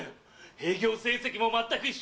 営業成績も全く一緒。